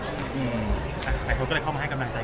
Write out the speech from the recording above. อืมแต่เขาก็เลยเข้ามาให้กำลังใจ